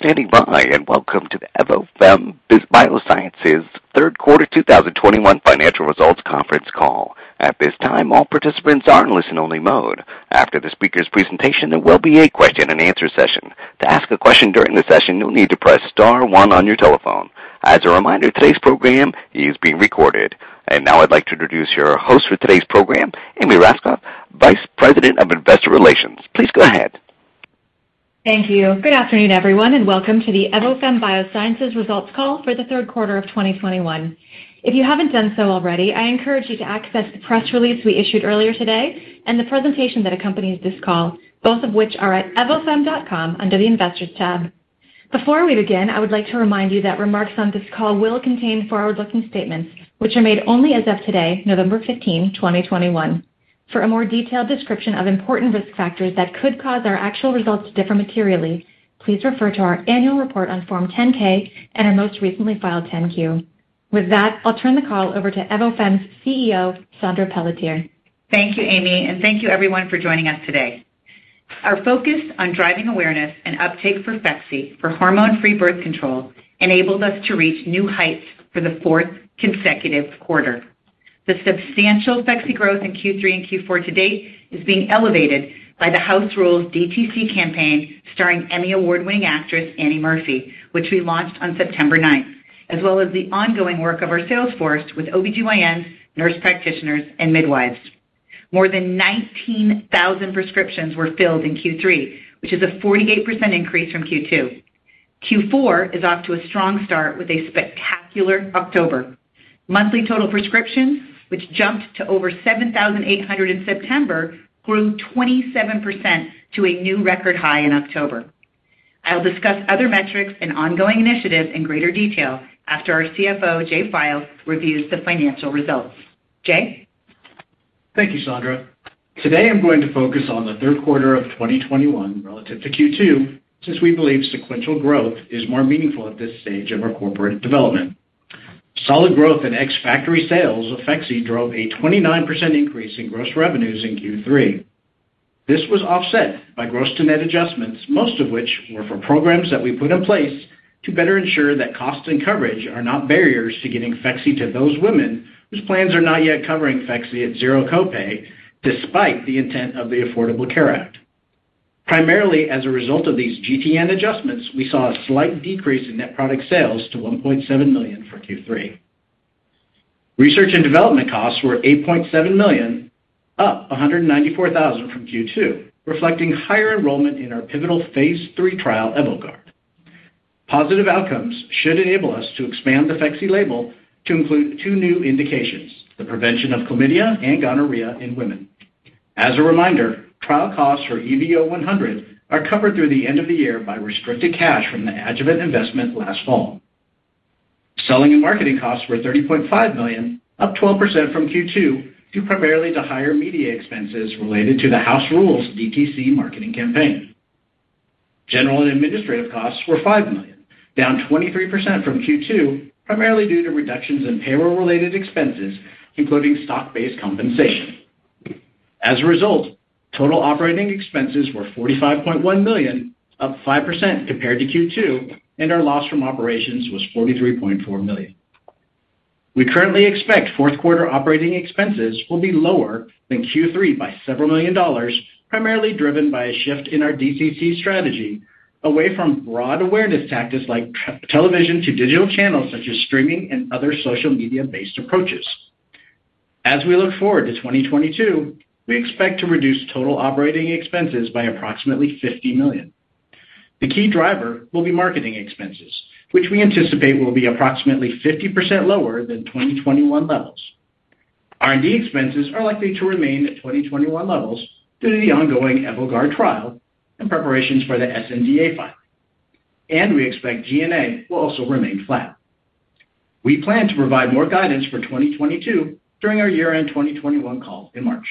Thank you for standing by, and welcome to the Evofem Biosciences Third Quarter 2021 Financial Results Conference Call. At this time, all participants are in listen-only mode. After the speaker's presentation, there will be a question-and-answer session. To ask a question during the session, you'll need to press star one on your telephone. As a reminder, today's program is being recorded. Now I'd like to introduce your host for today's program, Amy Raskopf, Vice President of Investor Relations. Please go ahead. Thank you. Good afternoon, everyone, and welcome to the Evofem Biosciences results call for the third quarter of 2021. If you haven't done so already, I encourage you to access the press release we issued earlier today and the presentation that accompanies this call, both of which are at evofem.com under the Investors tab. Before we begin, I would like to remind you that remarks on this call will contain forward-looking statements which are made only as of today, November 15, 2021. For a more detailed description of important risk factors that could cause our actual results to differ materially, please refer to our annual report on Form 10-K and our most recently filed Form 10-Q. With that, I'll turn the call over to Evofem's CEO, Saundra Pelletier. Thank you, Amy. Thank you everyone for joining us today. Our focus on driving awareness and uptake for Phexxi for hormone-free birth control enabled us to reach new heights for the fourth consecutive quarter. The substantial Phexxi growth in Q3 and Q4 to date is being elevated by the House Rules DTC campaign starring Emmy Award-winning actress Annie Murphy, which we launched on September ninth, as well as the ongoing work of our sales force with OB-GYNs, nurse practitioners, and midwives. More than 19,000 prescriptions were filled in Q3, which is a 48% increase from Q2. Q4 is off to a strong start with a spectacular October. Monthly total prescriptions, which jumped to over 7,800 in September, grew 27% to a new record high in October. I'll discuss other metrics and ongoing initiatives in greater detail after our CFO, Jay File, reviews the financial results. Jay? Thank you, Saundra. Today I'm going to focus on the third quarter of 2021 relative to Q2, since we believe sequential growth is more meaningful at this stage of our corporate development. Solid growth in ex-factory sales of Phexxi drove a 29% increase in gross revenues in Q3. This was offset by gross to net adjustments, most of which were for programs that we put in place to better ensure that cost and coverage are not barriers to getting Phexxi to those women whose plans are not yet covering Phexxi at zero copay, despite the intent of the Affordable Care Act. Primarily as a result of these GTN adjustments, we saw a slight decrease in net product sales to $1.7 million for Q3. Research and development costs were $8.7 million, up $194,000 from Q2, reflecting higher enrollment in our pivotal phase III trial, EVOGUARD. Positive outcomes should enable us to expand the Phexxi label to include two new indications, the prevention of chlamydia and gonorrhea in women. As a reminder, trial costs for EVO100 are covered through the end of the year by restricted cash from the Adjuvant investment last fall. Selling and marketing costs were $30.5 million, up 12% from Q2, due primarily to higher media expenses related to the House Rules DTC marketing campaign. General and administrative costs were $5 million, down 23% from Q2, primarily due to reductions in payroll-related expenses, including stock-based compensation. As a result, total operating expenses were $45.1 million, up 5% compared to Q2, and our loss from operations was $43.4 million. We currently expect fourth quarter operating expenses will be lower than Q3 by several million dollars, primarily driven by a shift in our DTC strategy away from broad awareness tactics like television to digital channels such as streaming and other social media-based approaches. As we look forward to 2022, we expect to reduce total operating expenses by approximately $50 million. The key driver will be marketing expenses, which we anticipate will be approximately 50% lower than 2021 levels. R&D expenses are likely to remain at 2021 levels due to the ongoing EVOGUARD trial and preparations for the sNDA filing. We expect G&A will also remain flat. We plan to provide more guidance for 2022 during our year-end 2021 call in March.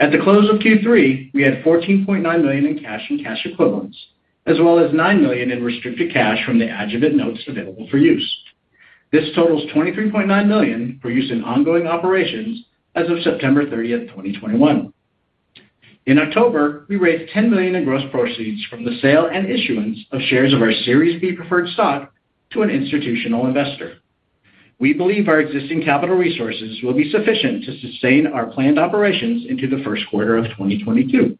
At the close of Q3, we had $14.9 million in cash and cash equivalents, as well as $9 million in restricted cash from the Adjuvant notes available for use. This totals $23.9 million for use in ongoing operations as of September 30, 2021. In October, we raised $10 million in gross proceeds from the sale and issuance of shares of our Series B preferred stock to an institutional investor. We believe our existing capital resources will be sufficient to sustain our planned operations into the first quarter of 2022.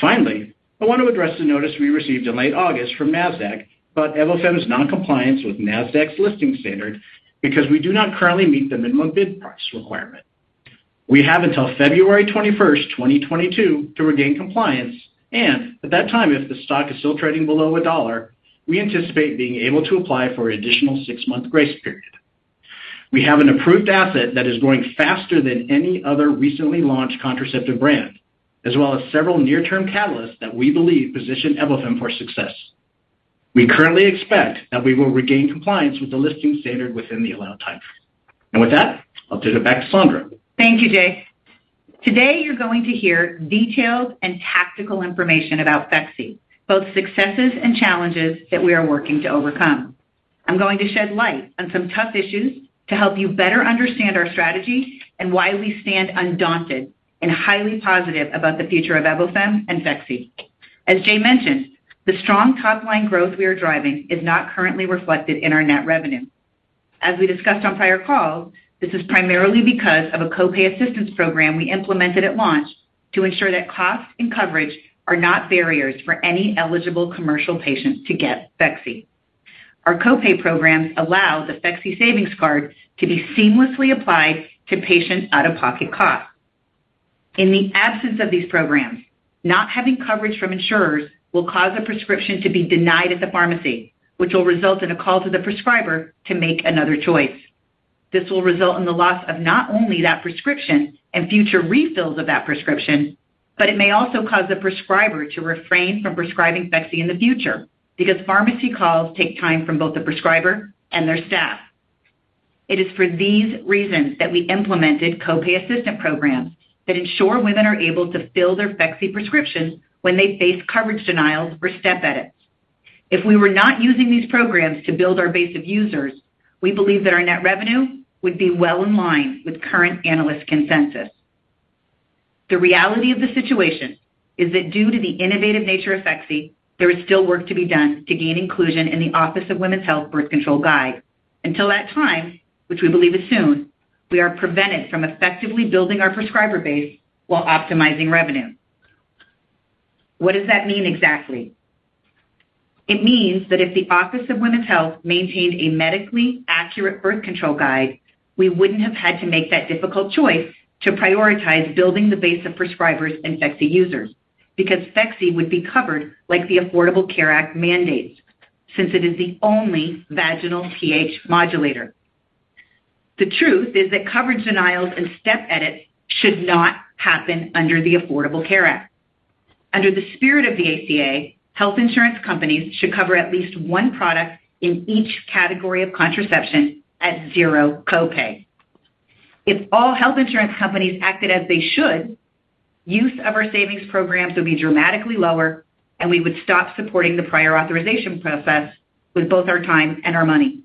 Finally, I want to address the notice we received in late August from Nasdaq about Evofem's noncompliance with Nasdaq's listing standard because we do not currently meet the minimum bid price requirement. We have until February 21, 2022 to regain compliance, and at that time, if the stock is still trading below $1, we anticipate being able to apply for an additional six-month grace period. We have an approved asset that is growing faster than any other recently launched contraceptive brand, as well as several near-term catalysts that we believe position Evofem for success. We currently expect that we will regain compliance with the listing standard within the allowed timeframe. With that, I'll turn it back to Saundra. Thank you, Jay. Today, you're going to hear detailed and tactical information about Phexxi, both successes and challenges that we are working to overcome. I'm going to shed light on some tough issues to help you better understand our strategy and why we stand undaunted and highly positive about the future of Evofem and Phexxi. As Jay mentioned, the strong top-line growth we are driving is not currently reflected in our net revenue. As we discussed on prior calls, this is primarily because of a co-pay assistance program we implemented at launch to ensure that costs and coverage are not barriers for any eligible commercial patient to get Phexxi. Our co-pay programs allow the Phexxi savings card to be seamlessly applied to patients' out-of-pocket costs. In the absence of these programs, not having coverage from insurers will cause a prescription to be denied at the pharmacy, which will result in a call to the prescriber to make another choice. This will result in the loss of not only that prescription and future refills of that prescription, but it may also cause the prescriber to refrain from prescribing Phexxi in the future because pharmacy calls take time from both the prescriber and their staff. It is for these reasons that we implemented co-pay assistance programs that ensure women are able to fill their Phexxi prescriptions when they face coverage denials or step edits. If we were not using these programs to build our base of users, we believe that our net revenue would be well in line with current analyst consensus. The reality of the situation is that due to the innovative nature of Phexxi, there is still work to be done to gain inclusion in the Office on Women's Health Birth Control Guide. Until that time, which we believe is soon, we are prevented from effectively building our prescriber base while optimizing revenue. What does that mean exactly? It means that if the Office on Women's Health maintained a medically accurate birth control guide, we wouldn't have had to make that difficult choice to prioritize building the base of prescribers and Phexxi users because Phexxi would be covered like the Affordable Care Act mandates since it is the only vaginal pH modulator. The truth is that coverage denials and step edits should not happen under the Affordable Care Act. Under the spirit of the ACA, health insurance companies should cover at least one product in each category of contraception at 0 co-pay. If all health insurance companies acted as they should, use of our savings programs would be dramatically lower, and we would stop supporting the prior authorization process with both our time and our money.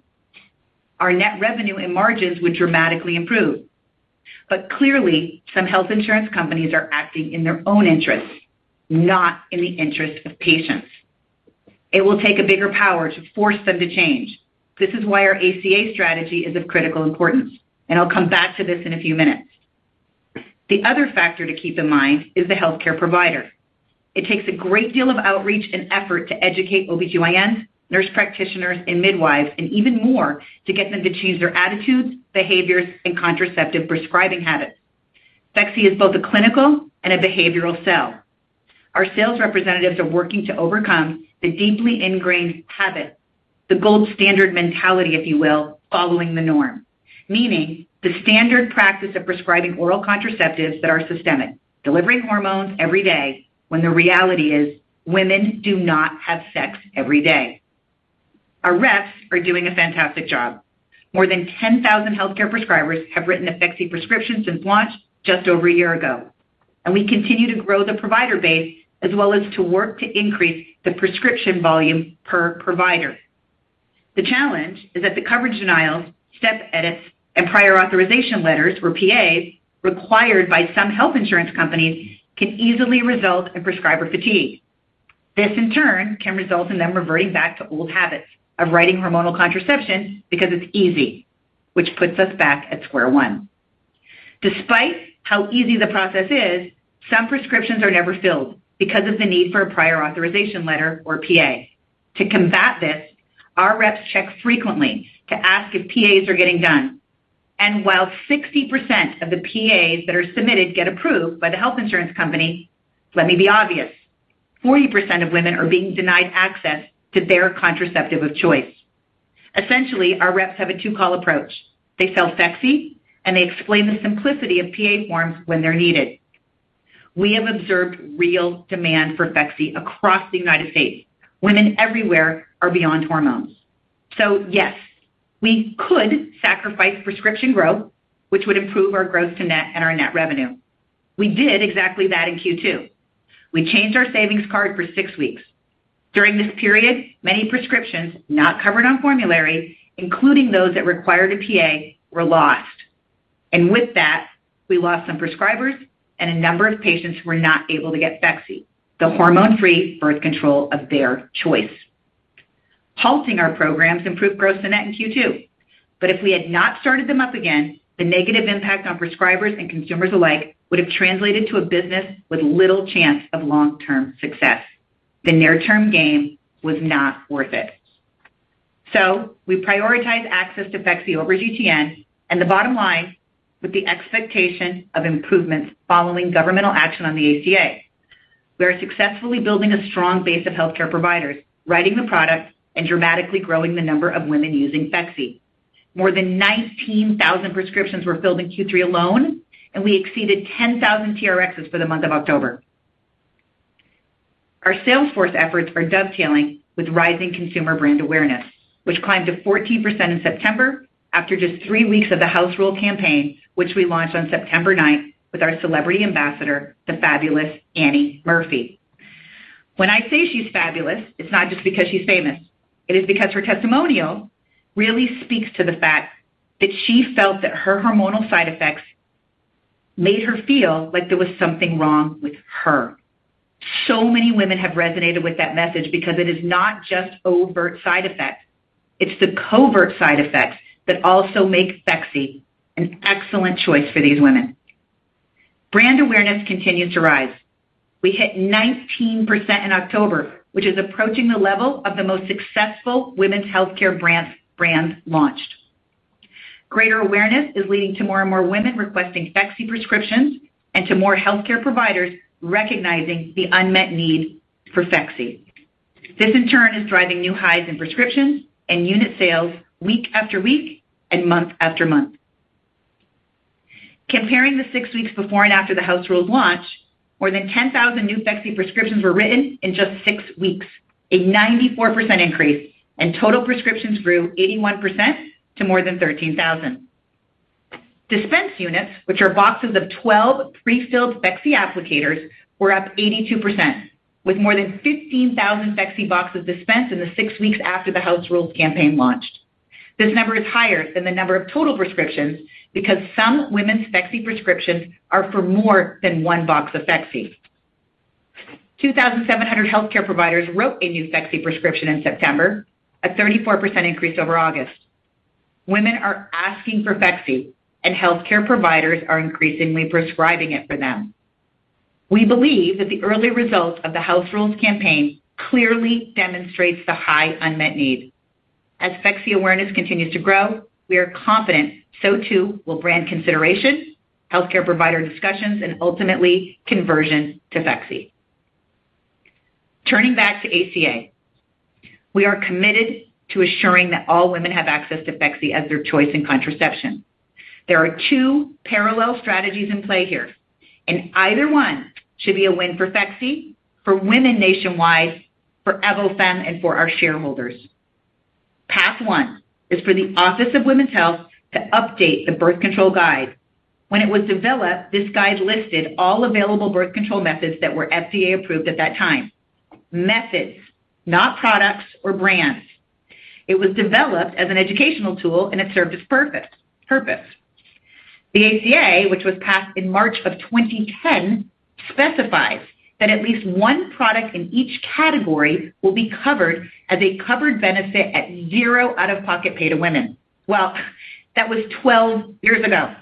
Our net revenue and margins would dramatically improve. Clearly, some health insurance companies are acting in their own interests, not in the interests of patients. It will take a bigger power to force them to change. This is why our ACA strategy is of critical importance, and I'll come back to this in a few minutes. The other factor to keep in mind is the healthcare provider. It takes a great deal of outreach and effort to educate OB-GYNs, nurse practitioners, and midwives, and even more to get them to change their attitudes, behaviors, and contraceptive prescribing habits. Phexxi is both a clinical and a behavioral sell. Our sales representatives are working to overcome the deeply ingrained habit, the gold standard mentality, if you will, following the norm, meaning the standard practice of prescribing oral contraceptives that are systemic, delivering hormones every day when the reality is women do not have sex every day. Our reps are doing a fantastic job. More than 10,000 healthcare prescribers have written a Phexxi prescription since launch just over a year ago, and we continue to grow the provider base as well as to work to increase the prescription volume per provider. The challenge is that the coverage denials, step edits, and prior authorization letters, or PAs, required by some health insurance companies can easily result in prescriber fatigue. This, in turn, can result in them reverting back to old habits of writing hormonal contraception because it's easy, which puts us back at square one. Despite how easy the process is, some prescriptions are never filled because of the need for a prior authorization letter or PA. To combat this, our reps check frequently to ask if PAs are getting done. While 60% of the PAs that are submitted get approved by the health insurance company, let me be obvious, 40% of women are being denied access to their contraceptive of choice. Essentially, our reps have a two-call approach. They sell Phexxi, and they explain the simplicity of PA forms when they're needed. We have observed real demand for Phexxi across the United States. Women everywhere are beyond hormones. Yes, we could sacrifice prescription growth, which would improve our gross to net and our net revenue. We did exactly that in Q2. We changed our savings card for six weeks. During this period, many prescriptions not covered on formulary, including those that required a PA, were lost. With that, we lost some prescribers and a number of patients who were not able to get Phexxi, the hormone-free birth control of their choice. Halting our programs improved gross to net in Q2. If we had not started them up again, the negative impact on prescribers and consumers alike would have translated to a business with little chance of long-term success. The near-term gain was not worth it. We prioritize access to Phexxi over GTN and the bottom line with the expectation of improvements following governmental action on the ACA. We are successfully building a strong base of healthcare providers, writing the product, and dramatically growing the number of women using Phexxi. More than 19,000 prescriptions were filled in Q3 alone, and we exceeded 10,000 TRx for the month of October. Our sales force efforts are dovetailing with rising consumer brand awareness, which climbed to 14% in September after just three weeks of the House Rules campaign, which we launched on September ninth with our celebrity ambassador, the fabulous Annie Murphy. When I say she's fabulous, it's not just because she's famous. It is because her testimonial really speaks to the fact that she felt that her hormonal side effects made her feel like there was something wrong with her. Many women have resonated with that message because it is not just overt side effects, it's the covert side effects that also make Phexxi an excellent choice for these women. Brand awareness continues to rise. We hit 19% in October, which is approaching the level of the most successful women's healthcare brands launched. Greater awareness is leading to more and more women requesting Phexxi prescriptions and to more healthcare providers recognizing the unmet need for Phexxi. This, in turn, is driving new highs in prescriptions and unit sales week after week and month after month. Comparing the six weeks before and after the House Rules launch, more than 10,000 new Phexxi prescriptions were written in just six weeks, a 94% increase, and total prescriptions grew 81% to more than 13,000. Dispense units, which are boxes of twelve prefilled Phexxi applicators, were up 82% with more than 15,000 Phexxi boxes dispensed in the six weeks after the House Rules campaign launched. This number is higher than the number of total prescriptions because some women's Phexxi prescriptions are for more than one box of Phexxi. 2,700 healthcare providers wrote a new Phexxi prescription in September, a 34% increase over August. Women are asking for Phexxi, and healthcare providers are increasingly prescribing it for them. We believe that the early results of the House Rules campaign clearly demonstrates the high unmet need. As Phexxi awareness continues to grow, we are confident so too will brand consideration, healthcare provider discussions, and ultimately conversion to Phexxi. Turning back to ACA, we are committed to assuring that all women have access to Phexxi as their choice in contraception. There are two parallel strategies in play here, and either one should be a win for Phexxi, for women nationwide, for Evofem, and for our shareholders. Path one is for the Office on Women's Health to update the birth control guide. When it was developed, this guide listed all available birth control methods that were FDA approved at that time. Methods, not products or brands. It was developed as an educational tool, and it served its purpose. The ACA, which was passed in March 2010, specifies that at least one product in each category will be covered as a covered benefit at zero out-of-pocket pay to women. Well, that was 12 years ago.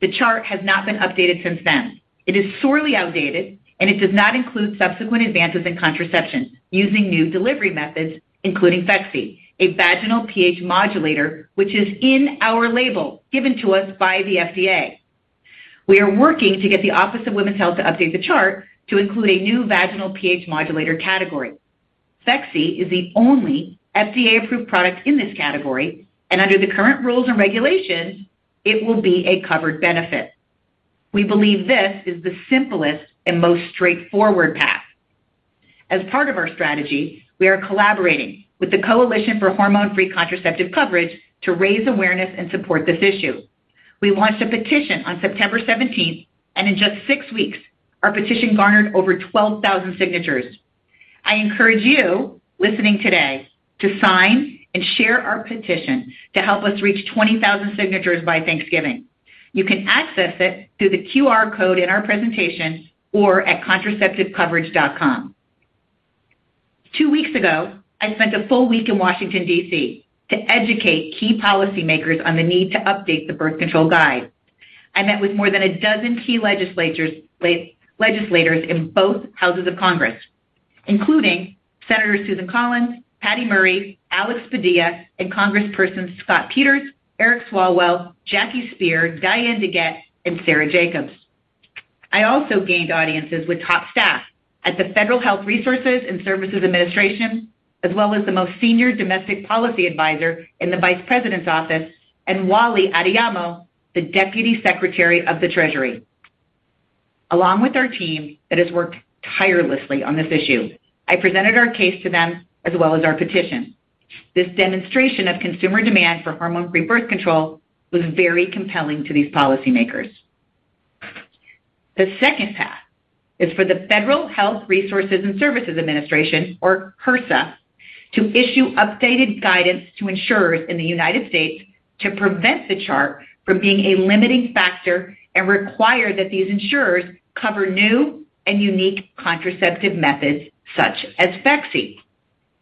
The chart has not been updated since then. It is sorely outdated, and it does not include subsequent advances in contraception using new delivery methods, including Phexxi, a vaginal pH modulator, which is in our label given to us by the FDA. We are working to get the Office on Women's Health to update the chart to include a new vaginal pH modulator category. Phexxi is the only FDA-approved product in this category, and under the current rules and regulations, it will be a covered benefit. We believe this is the simplest and most straightforward path. As part of our strategy, we are collaborating with the Coalition for Hormone Free Contraceptive Coverage to raise awareness and support this issue. We launched a petition on September 17, and in just six weeks, our petition garnered over 12,000 signatures. I encourage you listening today to sign and share our petition to help us reach 20,000 signatures by Thanksgiving. You can access it through the QR code in our presentation or at contraceptivecoverage.com. Two weeks ago, I spent a full week in Washington, D.C., to educate key policymakers on the need to update the birth control guide. I met with more than a dozen key legislators in both Houses of Congress, including Senators Susan Collins, Patty Murray, Alex Padilla, and Congresspersons Scott Peters, Eric Swalwell, Jackie Speier, Diana DeGette, and Sara Jacobs. I also gained audiences with top staff at the Health Resources and Services Administration, as well as the most senior domestic policy advisor in the Vice President's office, and Wally Adeyemo, the Deputy Secretary of the Treasury. Along with our team that has worked tirelessly on this issue, I presented our case to them as well as our petition. This demonstration of consumer demand for hormone-free birth control was very compelling to these policymakers. The second path is for the Health Resources and Services Administration, or HRSA, to issue updated guidance to insurers in the United States to prevent the chart from being a limiting factor and require that these insurers cover new and unique contraceptive methods such as Phexxi.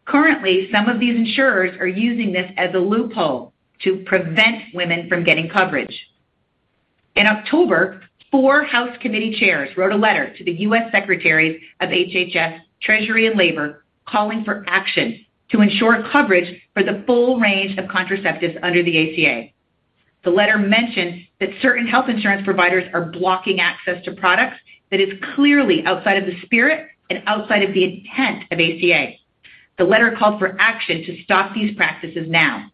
Currently, some of these insurers are using this as a loophole to prevent women from getting coverage. In October, four House committee chairs wrote a letter to the U.S. Secretaries of HHS, Treasury, and Labor calling for action to ensure coverage for the full range of contraceptives under the ACA. The letter mentions that certain health insurance providers are blocking access to products that is clearly outside of the spirit and outside of the intent of ACA. The letter called for action to stop these practices now.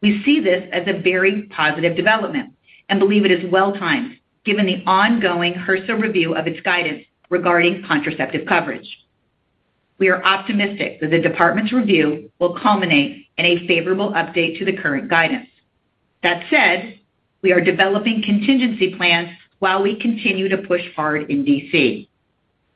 We see this as a very positive development and believe it is well timed given the ongoing HRSA review of its guidance regarding contraceptive coverage. We are optimistic that the department's review will culminate in a favorable update to the current guidance. That said, we are developing contingency plans while we continue to push hard in D.C.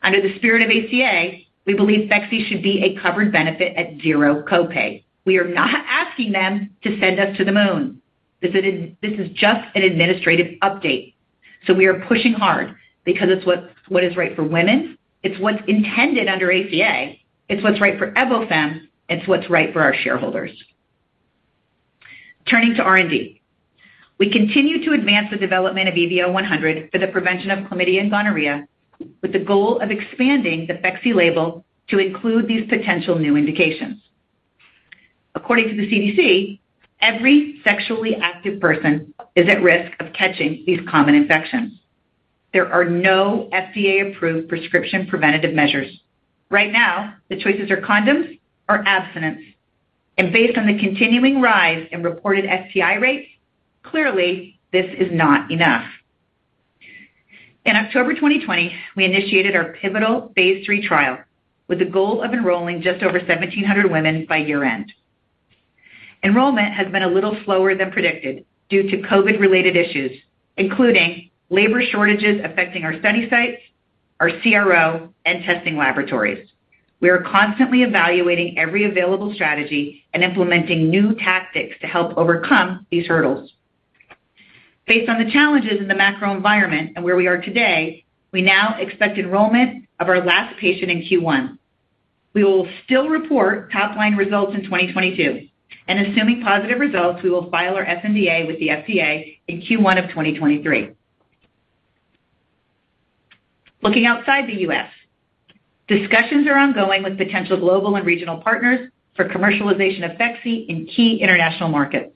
Under the spirit of ACA, we believe Phexxi should be a covered benefit at zero copay. We are not asking them to send us to the moon. This is just an administrative update. We are pushing hard because it's what is right for women. It's what's intended under ACA. It's what's right for Evofem. It's what's right for our shareholders. Turning to R&D. We continue to advance the development of EVO100 for the prevention of chlamydia and gonorrhea, with the goal of expanding the Phexxi label to include these potential new indications. According to the CDC, every sexually active person is at risk of catching these common infections. There are no FDA-approved prescription preventative measures. Right now, the choices are condoms or abstinence, and based on the continuing rise in reported STI rates, clearly this is not enough. In October 2020, we initiated our pivotal phase III trial with the goal of enrolling just over 1,700 women by year-end. Enrollment has been a little slower than predicted due to COVID-related issues, including labor shortages affecting our study sites, our CRO, and testing laboratories. We are constantly evaluating every available strategy and implementing new tactics to help overcome these hurdles. Based on the challenges in the macro environment and where we are today, we now expect enrollment of our last patient in Q1. We will still report top-line results in 2022 and assuming positive results, we will file our sNDA with the FDA in Q1 of 2023. Looking outside the U.S. Discussions are ongoing with potential global and regional partners for commercialization of Phexxi in key international markets.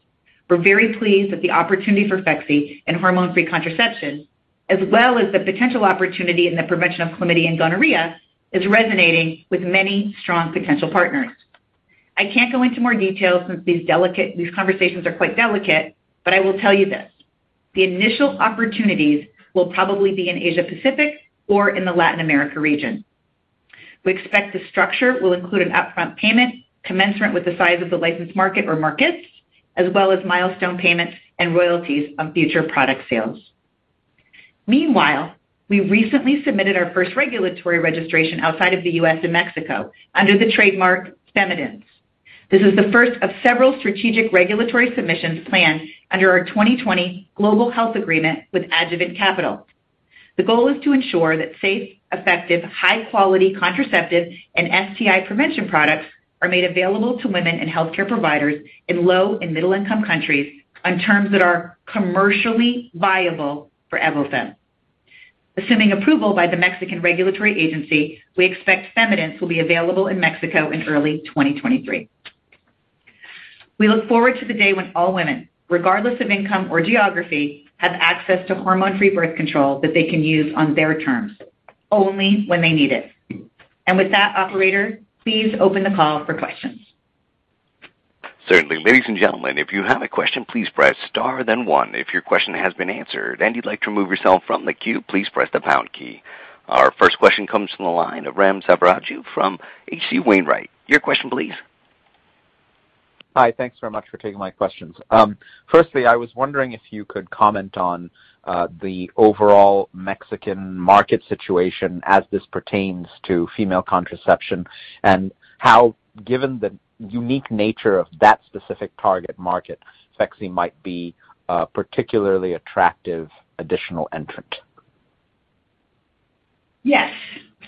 We're very pleased that the opportunity for Phexxi and hormone-free contraception, as well as the potential opportunity in the prevention of chlamydia and gonorrhea, is resonating with many strong potential partners. I can't go into more detail since these conversations are quite delicate, but I will tell you this. The initial opportunities will probably be in Asia Pacific or in the Latin America region. We expect the structure will include an upfront payment, commensurate with the size of the licensed market or markets, as well as milestone payments and royalties on future product sales. Meanwhile, we recently submitted our first regulatory registration outside of the U.S. to Mexico under the trademark Femidence. This is the first of several strategic regulatory submissions planned under our 2020 Global Health Agreement with Adjuvant Capital. The goal is to ensure that safe, effective, high-quality contraceptive and STI prevention products are made available to women and healthcare providers in low- and middle-income countries on terms that are commercially viable for Evofem. Assuming approval by the Mexican regulatory agency, we expect Femidence will be available in Mexico in early 2023. We look forward to the day when all women, regardless of income or geography, have access to hormone-free birth control that they can use on their terms, only when they need it. With that, operator, please open the call for questions. Certainly. Ladies and gentlemen, if you have a question, please press star then one. If your question has been answered and you'd like to remove yourself from the queue, please press the pound key. Our first question comes from the line of Ram Selvaraju from H.C. Wainwright. Your question, please. Hi. Thanks very much for taking my questions. Firstly, I was wondering if you could comment on the overall Mexican market situation as this pertains to female contraception and how, given the unique nature of that specific target market, Phexxi might be a particularly attractive additional entrant. Yes.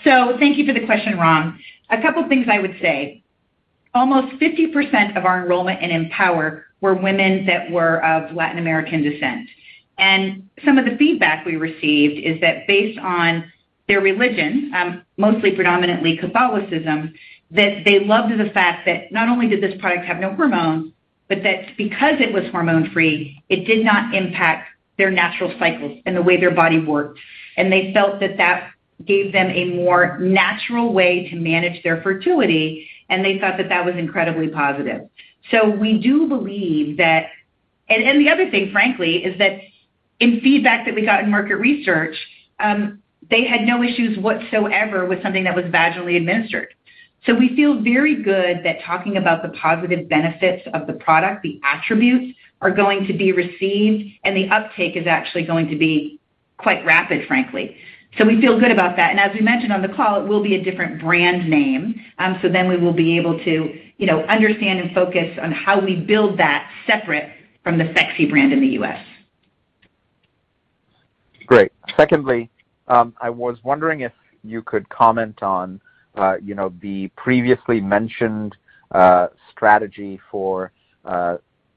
Thank you for the question, Ram. A couple of things I would say. Almost 50% of our enrollment in AMPOWER were women that were of Latin American descent. Some of the feedback we received is that based on their religion, mostly predominantly Catholicism, that they loved the fact that not only did this product have no hormones, but that because it was hormone-free, it did not impact their natural cycles and the way their body worked. They felt that that gave them a more natural way to manage their fertility, and they thought that that was incredibly positive. We do believe that. The other thing, frankly, is that in feedback that we got in market research, they had no issues whatsoever with something that was vaginally administered. We feel very good that talking about the positive benefits of the product, the attributes are going to be received and the uptake is actually going to be quite rapid, frankly. We feel good about that. As we mentioned on the call, it will be a different brand name. We will be able to, you know, understand and focus on how we build that separate from the Phexxi brand in the U.S. Great. Secondly, I was wondering if you could comment on, you know, the previously mentioned, strategy for,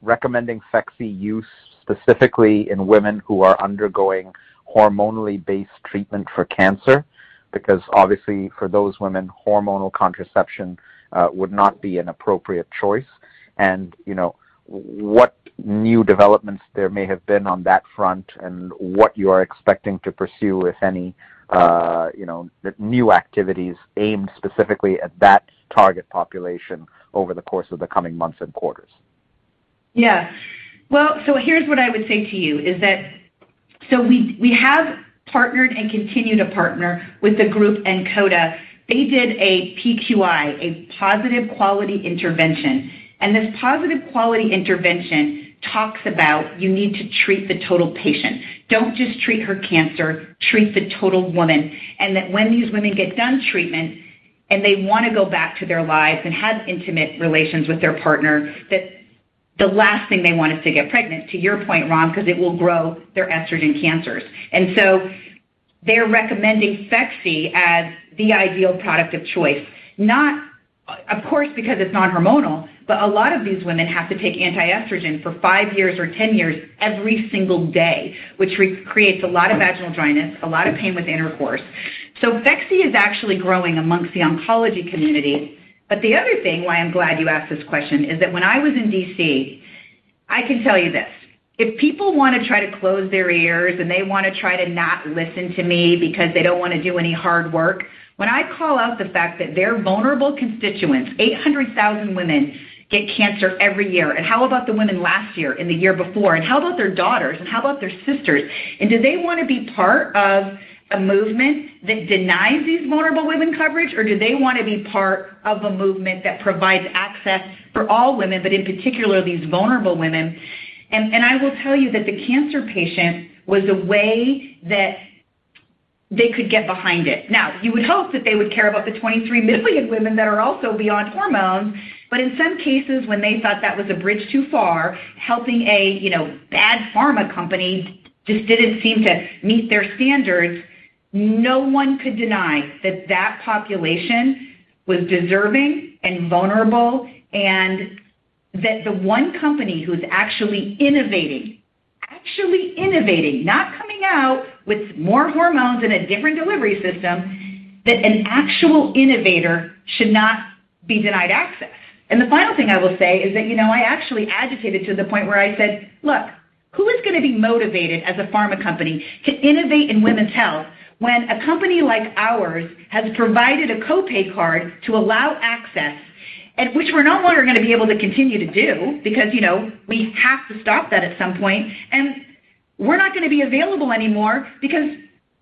recommending Phexxi use specifically in women who are undergoing hormonally based treatment for cancer, because obviously for those women, hormonal contraception, would not be an appropriate choice. You know, what new developments there may have been on that front and what you are expecting to pursue, if any, you know, the new activities aimed specifically at that target population over the course of the coming months and quarters? Yes. Well, here's what I would say to you is that we have partnered and continue to partner with the group, NCODA. They did a PQI, a positive quality intervention. This positive quality intervention talks about you need to treat the total patient. Don't just treat her cancer, treat the total woman. That when these women get done treatment and they wanna go back to their lives and have intimate relations with their partner, that the last thing they want is to get pregnant, to your point, Ram, 'cause it will grow their estrogen cancers. They're recommending Phexxi as the ideal product of choice, not of course, because it's not hormonal, but a lot of these women have to take anti-estrogen for five years or 10 years every single day, which re-creates a lot of vaginal dryness, a lot of pain with intercourse. Phexxi is actually growing among the oncology community. The other thing why I'm glad you asked this question is that when I was in D.C., I can tell you this, if people wanna try to close their ears and they wanna try to not listen to me because they don't wanna do any hard work, when I call out the fact that their vulnerable constituents, 800,000 women get cancer every year, and how about the women last year and the year before? How about their daughters, and how about their sisters? Do they wanna be part of a movement that denies these vulnerable women coverage, or do they wanna be part of a movement that provides access for all women, but in particular, these vulnerable women? I will tell you that the cancer patient was a way that they could get behind it. Now, you would hope that they would care about the 23 million women that are also beyond hormones, but in some cases, when they thought that was a bridge too far, helping a, you know, bad pharma company just didn't seem to meet their standards. No one could deny that population was deserving and vulnerable, and that the one company who's actually innovating, not coming out with more hormones in a different delivery system, that an actual innovator should not be denied access. The final thing I will say is that, you know, I actually agitated to the point where I said, "Look, who is gonna be motivated as a pharma company to innovate in women's health when a company like ours has provided a co-pay card to allow access, and which we're no longer gonna be able to continue to do because, you know, we have to stop that at some point. We're not gonna be available anymore because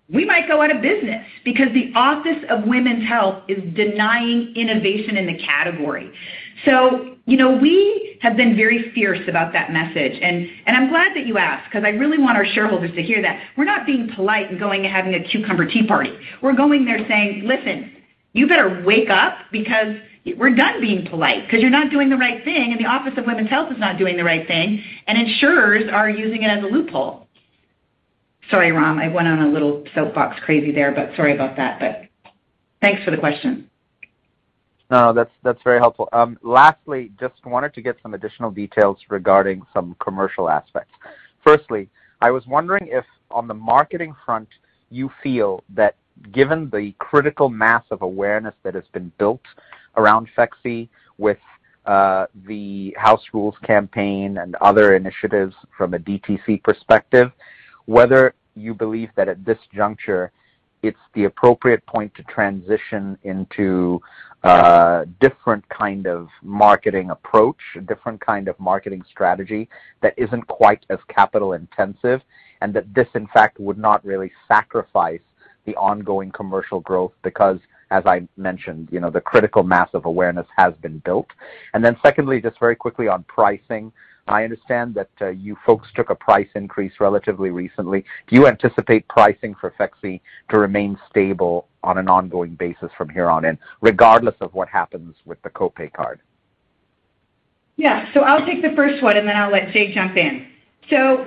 we might go out of business because the Office on Women's Health is denying innovation in the category. So, you know, we have been very fierce about that message. I'm glad that you asked 'cause I really want our shareholders to hear that. We're not being polite and going and having a cucumber tea party. We're going there saying, "Listen, you better wake up because we're done being polite 'cause you're not doing the right thing, and the Office on Women's Health is not doing the right thing, and insurers are using it as a loophole." Sorry, Ram, I went on a little soapbox crazy there, but sorry about that. Thanks for the question. No, that's very helpful. Lastly, just wanted to get some additional details regarding some commercial aspects. Firstly, I was wondering if on the marketing front, you feel that given the critical mass of awareness that has been built around Phexxi with the House Rules campaign and other initiatives from a DTC perspective, whether you believe that at this juncture it's the appropriate point to transition into a different kind of marketing approach, a different kind of marketing strategy that isn't quite as capital-intensive, and that this, in fact, would not really sacrifice the ongoing commercial growth because, as I mentioned, you know, the critical mass of awareness has been built. Secondly, just very quickly on pricing. I understand that you folks took a price increase relatively recently. Do you anticipate pricing for Phexxi to remain stable on an ongoing basis from here on in, regardless of what happens with the co-pay card? Yeah. I'll take the first one, and then I'll let Jay jump in. To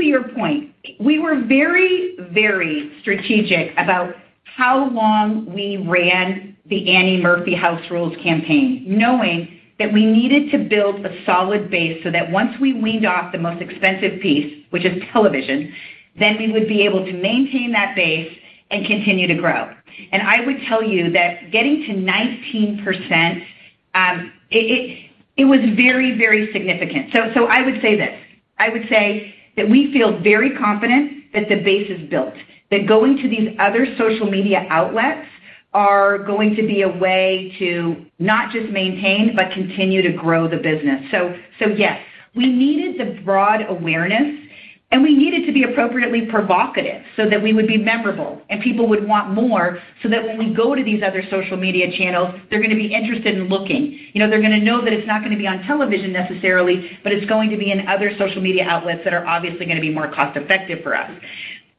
your point, we were very, very strategic about how long we ran the Annie Murphy House Rules campaign, knowing that we needed to build a solid base so that once we weaned off the most expensive piece, which is television, then we would be able to maintain that base and continue to grow. I would tell you that getting to 19%, it was very, very significant. I would say this, I would say that we feel very confident that the base is built, that going to these other social media outlets are going to be a way to not just maintain, but continue to grow the business. Yes, we needed the broad awareness, and we needed to be appropriately provocative so that we would be memorable and people would want more so that when we go to these other social media channels, they're gonna be interested in looking. You know, they're gonna know that it's not gonna be on television necessarily, but it's going to be in other social media outlets that are obviously gonna be more cost-effective for us.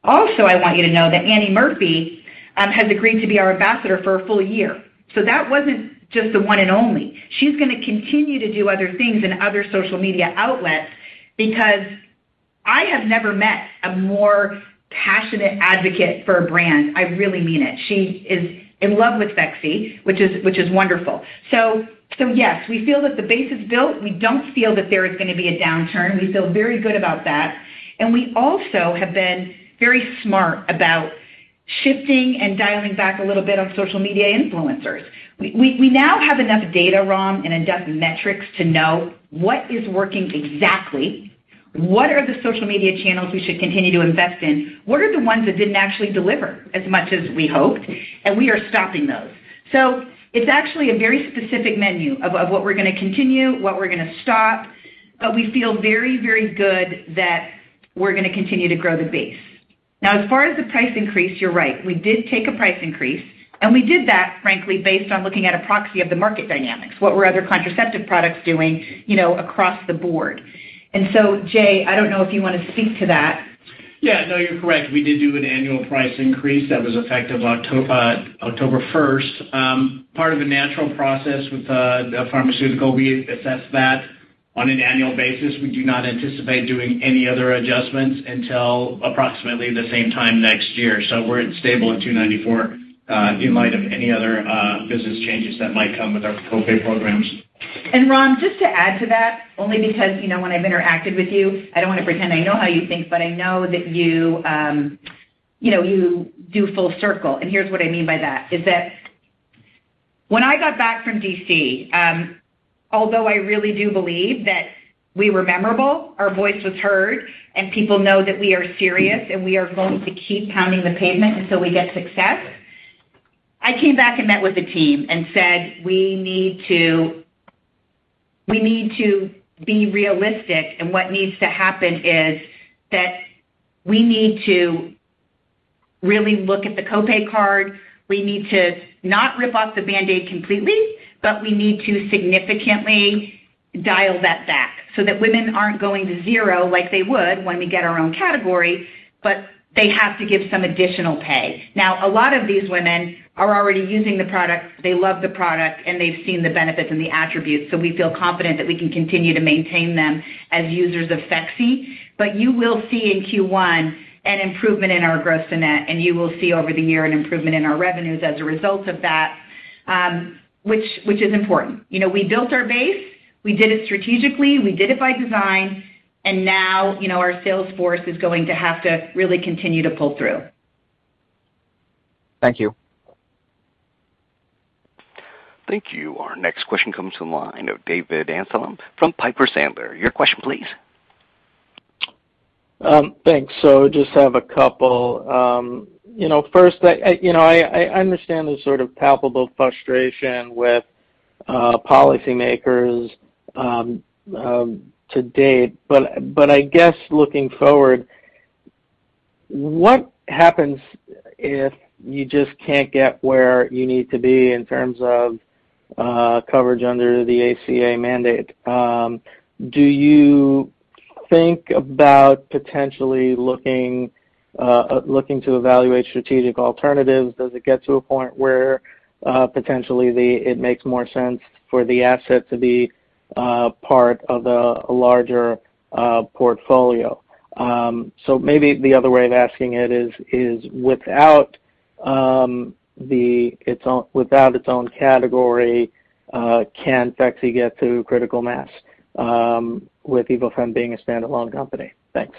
Also, I want you to know that Annie Murphy has agreed to be our ambassador for a full year. That wasn't just a one and only. She's gonna continue to do other things in other social media outlets because I have never met a more passionate advocate for a brand. I really mean it. She is in love with Phexxi, which is wonderful. Yes, we feel that the base is built. We don't feel that there is gonna be a downturn. We feel very good about that. We also have been very smart about shifting and dialing back a little bit on social media influencers. We now have enough data, Ram, and enough metrics to know what is working exactly, what are the social media channels we should continue to invest in, what are the ones that didn't actually deliver as much as we hoped, and we are stopping those. It's actually a very specific menu of what we're gonna continue, what we're gonna stop, but we feel very, very good that we're gonna continue to grow the base. Now, as far as the price increase, you're right. We did take a price increase, and we did that frankly, based on looking at a proxy of the market dynamics. What were other contraceptive products doing, you know, across the board? Jay, I don't know if you wanna speak to that. Yeah. No, you're correct. We did do an annual price increase that was effective October first. Part of the natural process with the pharmaceutical, we assess that on an annual basis. We do not anticipate doing any other adjustments until approximately the same time next year. We're at stable at $294 in light of any other business changes that might come with our co-pay programs. Ram, just to add to that, only because, you know, when I've interacted with you, I don't wanna pretend I know how you think, but I know that you know, you do full circle, and here's what I mean by that, is that when I got back from D.C., although I really do believe that we were memorable, our voice was heard, and people know that we are serious, and we are going to keep pounding the pavement until we get success. I came back and met with the team and said, "We need to be realistic, and what needs to happen is that we need to really look at the co-pay card. We need to not rip off the Band-Aid completely, but we need to significantly dial that back so that women aren't going to zero like they would when we get our own category, but they have to give some additional pay. Now, a lot of these women are already using the product. They love the product, and they've seen the benefits and the attributes, so we feel confident that we can continue to maintain them as users of Phexxi. You will see in Q1 an improvement in our gross net, and you will see over the year an improvement in our revenues as a result of that, which is important. You know, we built our base. We did it strategically. We did it by design. Now, you know, our sales force is going to have to really continue to pull through. Thank you. Thank you. Our next question comes the line of David Amsellem from Piper Sandler. Your question, please. Thanks. Just have a couple. You know, first, I understand the sort of palpable frustration with policymakers to date, but I guess looking forward, what happens if you just can't get where you need to be in terms of coverage under the ACA mandate? Do you think about potentially looking to evaluate strategic alternatives? Does it get to a point where potentially it makes more sense for the asset to be part of a larger portfolio? Maybe the other way of asking it is, without its own category, can Phexxi get to critical mass with Evofem being a standalone company? Thanks.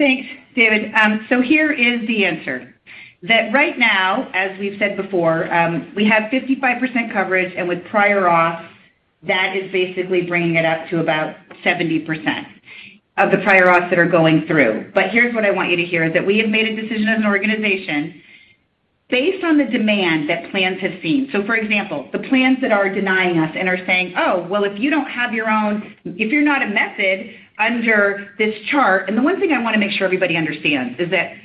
Thanks, David. Here is the answer, that right now, as we've said before, we have 55% coverage, and with prior auths, that is basically bringing it up to about 70% of the prior auths that are going through. But here's what I want you to hear, that we have made a decision as an organization based on the demand that plans have seen. For example, the plans that are denying us and are saying, "Oh, well, if you're not a method under this chart." The one thing I wanna make sure everybody understands is that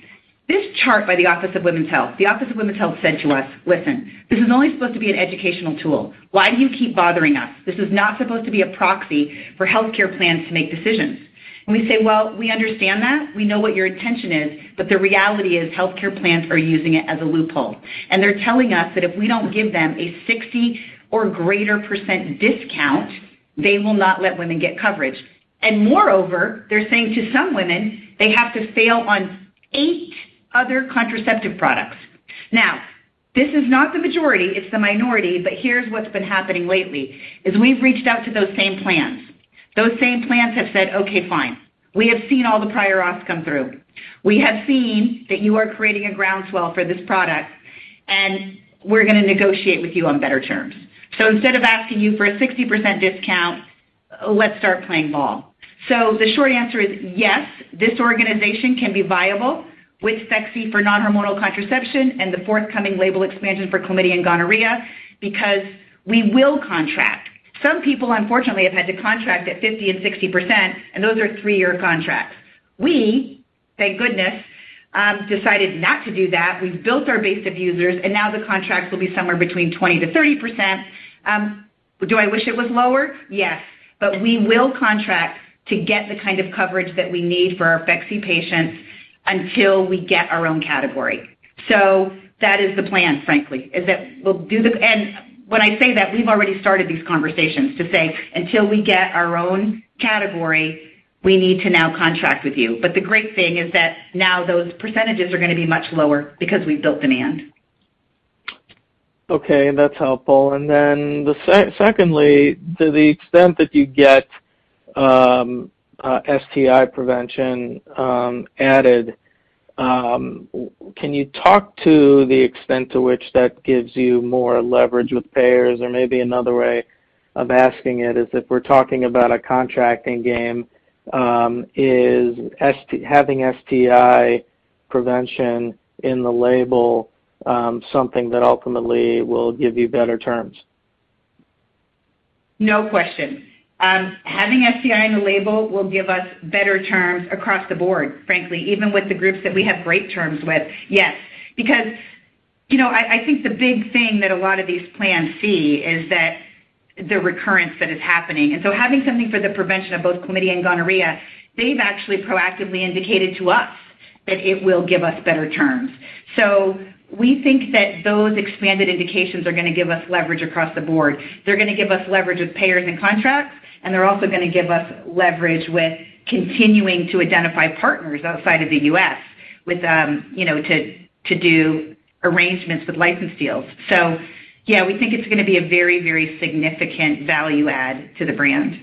this chart by the Office on Women's Health, the Office on Women's Health said to us, "Listen, this is only supposed to be an educational tool. Why do you keep bothering us? This is not supposed to be a proxy for healthcare plans to make decisions." We say, "Well, we understand that. We know what your intention is, but the reality is healthcare plans are using it as a loophole. They're telling us that if we don't give them a 60% or greater discount, they will not let women get coverage. Moreover, they're saying to some women they have to fail on eight other contraceptive products." Now, this is not the majority, it's the minority, but here's what's been happening lately, is we've reached out to those same plans. Those same plans have said, "Okay, fine. We have seen all the prior auths come through. We have seen that you are creating a groundswell for this product, and we're gonna negotiate with you on better terms. Instead of asking you for a 60% discount, let's start playing ball. The short answer is, yes, this organization can be viable with Phexxi for non-hormonal contraception and the forthcoming label expansion for chlamydia and gonorrhea because we will contract. Some people, unfortunately, have had to contract at 50% and 60%, and those are three-year contracts. We, thank goodness, decided not to do that. We've built our base of users, and now the contracts will be somewhere between 20%-30%. Do I wish it was lower? Yes. We will contract to get the kind of coverage that we need for our Phexxi patients until we get our own category. That is the plan, frankly, is that we'll do the When I say that, we've already started these conversations to say until we get our own category, we need to now contract with you. The great thing is that now those percentages are gonna be much lower because we've built demand. Okay, that's helpful. Secondly, to the extent that you get STI prevention added, can you talk to the extent to which that gives you more leverage with payers? Or maybe another way of asking it is if we're talking about a contracting game, is having STI prevention in the label something that ultimately will give you better terms? No question. Having STI in the label will give us better terms across the board, frankly, even with the groups that we have great terms with. Yes. Because, you know, I think the big thing that a lot of these plans see is that the recurrence that is happening. Having something for the prevention of both chlamydia and gonorrhea, they've actually proactively indicated to us that it will give us better terms. We think that those expanded indications are gonna give us leverage across the board. They're gonna give us leverage with payers and contracts, and they're also gonna give us leverage with continuing to identify partners outside of the U.S. with, you know, to do arrangements with license deals. Yeah, we think it's gonna be a very, very significant value add to the brand.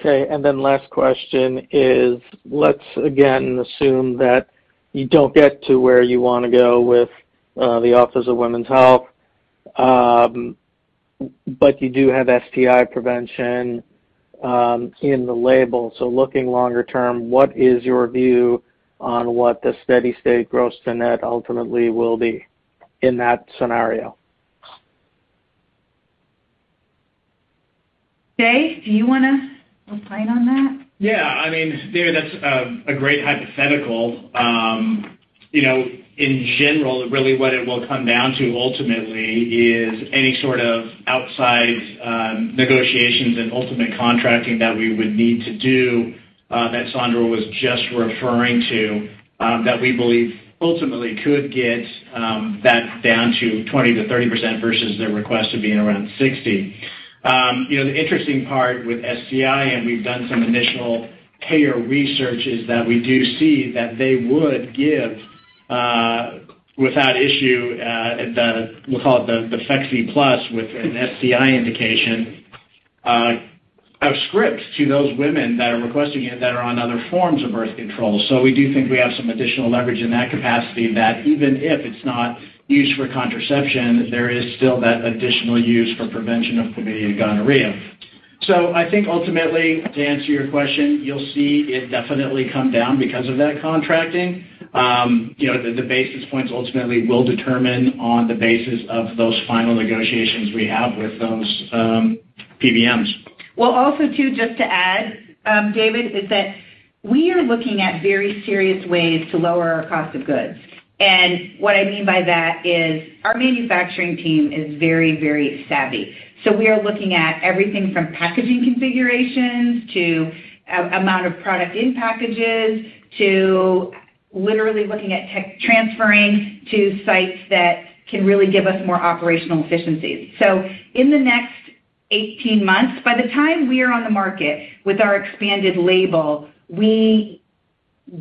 Okay, last question is, let's again assume that you don't get to where you wanna go with the Office on Women's Health, but you do have STI prevention in the label. Looking longer term, what is your view on what the steady-state gross to net ultimately will be in that scenario? Jay, do you wanna opine on that? Yeah. I mean, David, that's a great hypothetical. You know, in general, really what it will come down to ultimately is any sort of outside negotiations and ultimate contracting that we would need to do that Saundra was just referring to that we believe ultimately could get that down to 20%-30% versus their request of being around 60%. You know, the interesting part with STI, and we've done some initial payer research, is that we do see that they would give without issue we'll call it the Phexxi plus with an STI indication of scripts to those women that are requesting it that are on other forms of birth control. We do think we have some additional leverage in that capacity that even if it's not used for contraception, there is still that additional use for prevention of chlamydia and gonorrhea. I think ultimately, to answer your question, you'll see it definitely come down because of that contracting. You know, the basis points ultimately will determine on the basis of those final negotiations we have with those PBMs. Well, also too, just to add, David, is that we are looking at very serious ways to lower our cost of goods. What I mean by that is our manufacturing team is very, very savvy. We are looking at everything from packaging configurations, to amount of product in packages, to literally looking at tech transferring to sites that can really give us more operational efficiencies. In the next 18 months, by the time we are on the market with our expanded label, we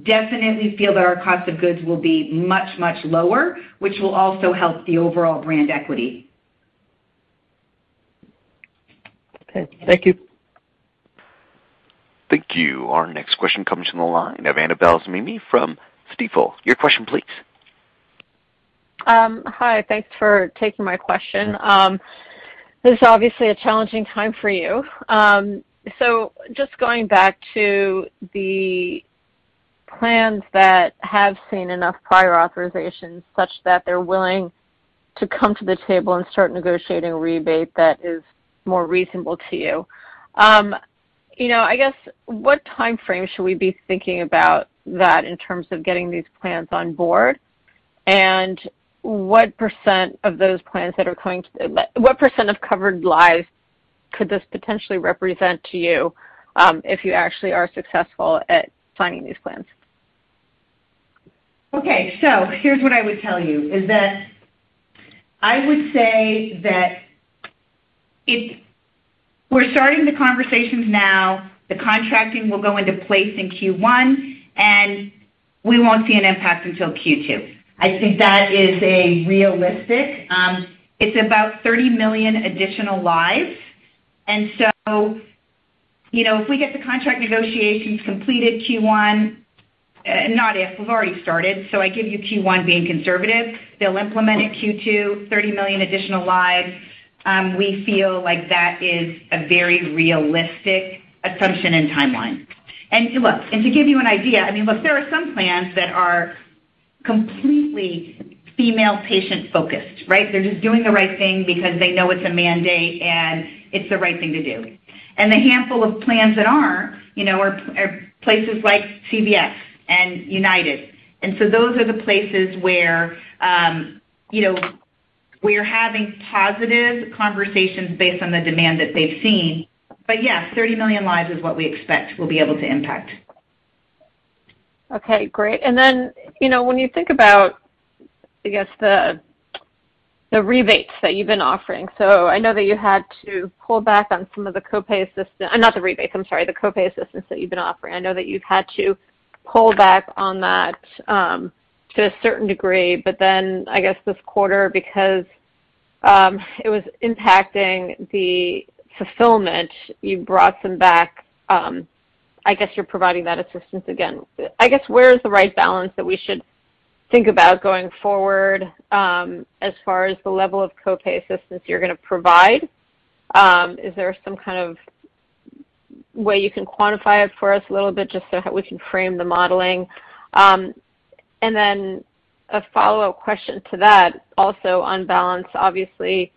definitely feel that our cost of goods will be much, much lower, which will also help the overall brand equity. Okay. Thank you. Thank you. Our next question comes from the line of Annabel Samimy from Stifel. Your question please. Hi. Thanks for taking my question. This is obviously a challenging time for you. Just going back to the plans that have seen enough prior authorizations such that they're willing to come to the table and start negotiating a rebate that is more reasonable to you. You know, I guess what timeframe should we be thinking about that in terms of getting these plans on board? And what % of covered lives could this potentially represent to you, if you actually are successful at signing these plans? Okay, here's what I would tell you is that I would say that we're starting the conversations now. The contracting will go into place in Q1, and we won't see an impact until Q2. I think that is a realistic. It's about 30 million additional lives. You know, if we get the contract negotiations completed Q1. Not if, we've already started. I give you Q1 being conservative. They'll implement it Q2, 30 million additional lives. We feel like that is a very realistic assumption and timeline. Look, to give you an idea, I mean, look, there are some plans that are completely female patient-focused, right? They're just doing the right thing because they know it's a mandate, and it's the right thing to do. The handful of plans that aren't, you know, are places like CVS and United. Those are the places where, you know, we are having positive conversations based on the demand that they've seen. Yes, 30 million lives is what we expect we'll be able to impact. Okay, great. You know, when you think about, I guess, the rebates that you've been offering. I know that you had to pull back on some of the copay assistance that you've been offering. I know that you've had to pull back on that to a certain degree. I guess this quarter because it was impacting the fulfillment, you brought them back. I guess you're providing that assistance again. I guess where is the right balance that we should think about going forward as far as the level of co-pay assistance you're gonna provide. Is there some kind of way you can quantify it for us a little bit just so we can frame the modeling? Then a follow-up question to that, also on balance, obviously,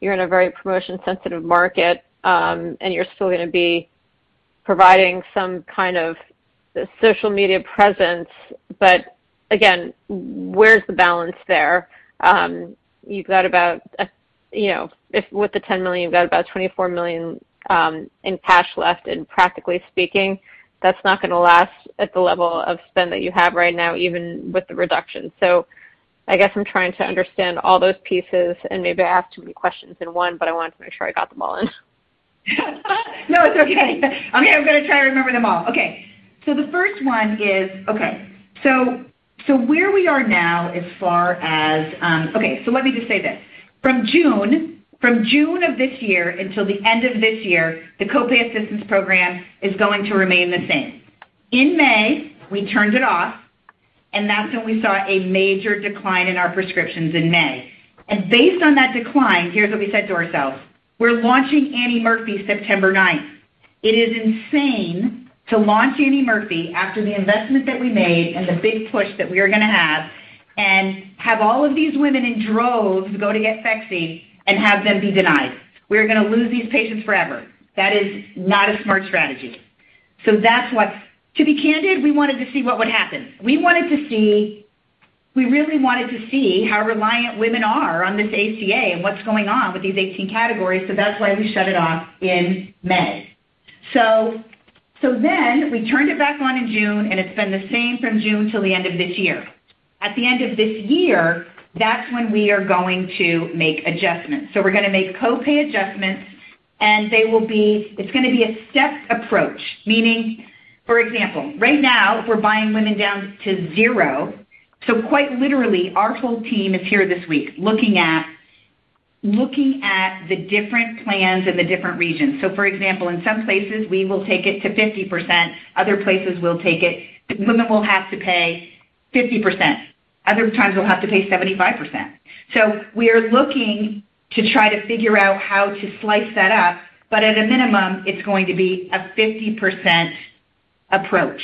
you're in a very promotion-sensitive market, and you're still gonna be providing some kind of social media presence. Again, where's the balance there? You've got about, you know, with the $10 million, you've got about $24 million in cash left, and practically speaking, that's not gonna last at the level of spend that you have right now, even with the reduction. I guess I'm trying to understand all those pieces, and maybe I asked too many questions in one, but I wanted to make sure I got them all in. No, it's okay. I'm gonna try to remember them all. The first one is where we are now as far as. Let me just say this. From June of this year until the end of this year, the co-pay assistance program is going to remain the same. In May, we turned it off, and that's when we saw a major decline in our prescriptions in May. Based on that decline, here's what we said to ourselves: We're launching Annie Murphy September ninth. It is insane to launch Annie Murphy after the investment that we made and the big push that we are gonna have and have all of these women in droves go to get Phexxi and have them be denied. We're gonna lose these patients forever. That is not a smart strategy. To be candid, we wanted to see what would happen. We really wanted to see how reliant women are on this ACA and what's going on with these 18 categories, so that's why we shut it off in May. Then we turned it back on in June, and it's been the same from June till the end of this year. At the end of this year, that's when we are going to make adjustments. We're gonna make co-pay adjustments, and they will be a stepped approach. Meaning, for example, right now, if we're buying women down to zero, quite literally, our whole team is here this week looking at the different plans in the different regions. For example, in some places, we will take it to 50%, other places we'll take it... The women will have to pay 50%. Other times, they'll have to pay 75%. We are looking to try to figure out how to slice that up, but at a minimum, it's going to be a 50% approach.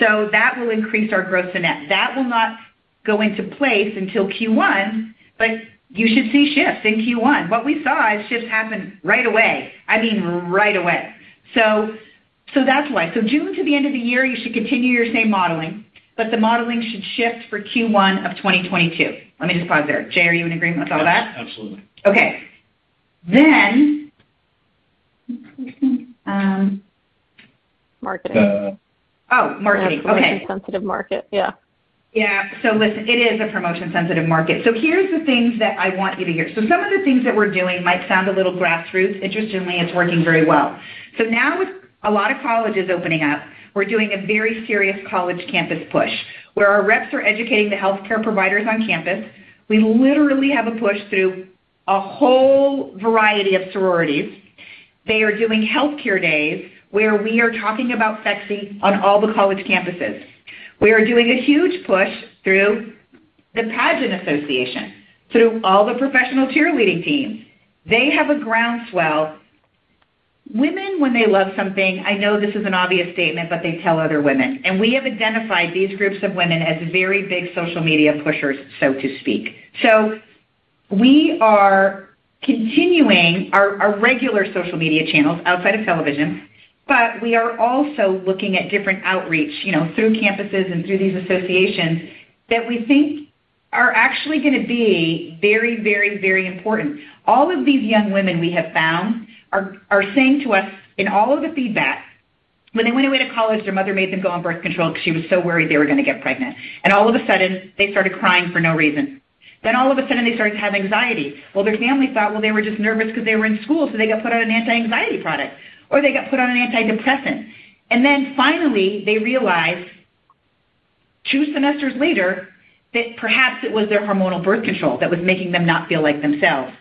That will increase our gross net. That will not go into place until Q1, but you should see shifts in Q1. What we saw is shifts happen right away. I mean, right away. That's why. June to the end of the year, you should continue your same modeling, but the modeling should shift for Q1 of 2022. Let me just pause there. Jay, are you in agreement with all that? Absolutely. Okay. Marketing. The- Oh, marketing. Okay. Promotion-sensitive market, yeah. Yeah. Listen, it is a promotion-sensitive market. Here's the things that I want you to hear. Some of the things that we're doing might sound a little grassroots. Interestingly, it's working very well. Now with a lot of colleges opening up, we're doing a very serious college campus push, where our reps are educating the healthcare providers on campus. We literally have a push through a whole variety of sororities. They are doing healthcare days where we are talking about Phexxi on all the college campuses. We are doing a huge push through the pageant association, through all the professional cheerleading teams. They have a ground swell. Women, when they love something, I know this is an obvious statement, but they tell other women. We have identified these groups of women as very big social media pushers, so to speak. We are continuing our regular social media channels outside of television, but we are also looking at different outreach, you know, through campuses and through these associations that we think are actually gonna be very important. All of these young women we have found are saying to us in all of the feedback, when they went away to college, their mother made them go on birth control because she was so worried they were gonna get pregnant. All of a sudden, they started crying for no reason. All of a sudden, they started to have anxiety. Well, their family thought, well, they were just nervous because they were in school, so they got put on an anti-anxiety product, or they got put on an antidepressant. Finally, they realized two semesters later that perhaps it was their hormonal birth control that was making them not feel like themselves.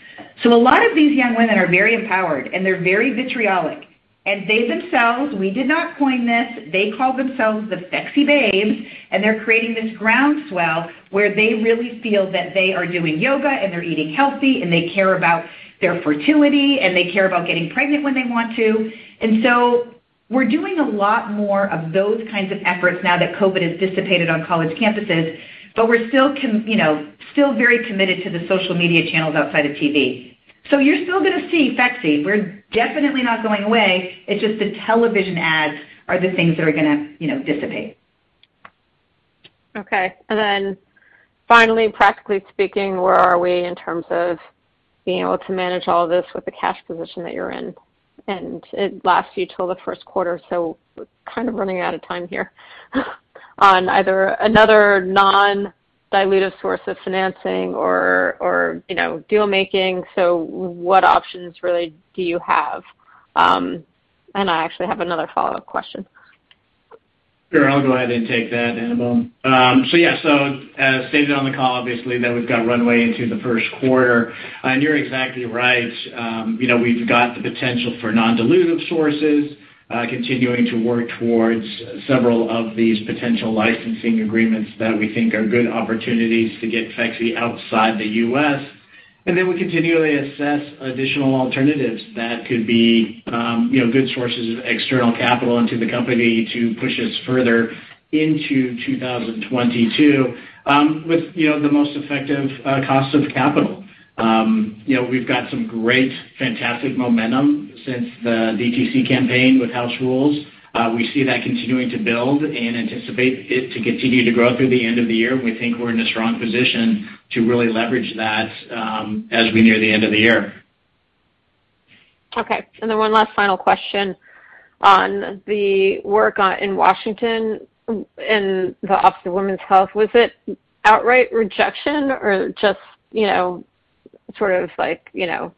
A lot of these young women are very empowered, and they're very vitriolic. They themselves, we did not coin this, they call themselves the Phexxi babes, and they're creating this groundswell where they really feel that they are doing yoga and they're eating healthy and they care about their fertility and they care about getting pregnant when they want to. We're doing a lot more of those kinds of efforts now that COVID has dissipated on college campuses, but we're still, you know, very committed to the social media channels outside of TV. You're still gonna see Phexxi. We're definitely not going away. It's just the television ads are the things that are gonna, you know, dissipate. Okay. Finally, practically speaking, where are we in terms of being able to manage all this with the cash position that you're in? It lasts you till the first quarter, so kind of running out of time here on either another non-dilutive source of financing or, you know, deal-making. What options really do you have? I actually have another follow-up question. Sure. I'll go ahead and take that, Annabele. So yeah, as stated on the call, obviously that we've got runway into the first quarter. You're exactly right. You know, we've got the potential for non-dilutive sources, continuing to work towards several of these potential licensing agreements that we think are good opportunities to get Phexxi outside the U.S. We continually assess additional alternatives that could be, you know, good sources of external capital into the company to push us further into 2022, with, you know, the most effective cost of capital. You know, we've got some great, fantastic momentum since the DTC campaign with House Rules. We see that continuing to build and anticipate it to continue to grow through the end of the year. We think we're in a strong position to really leverage that, as we near the end of the year. Okay. One last final question on the work in Washington in the Office on Women's Health. Was it outright rejection or just, you know, sort of like, you know,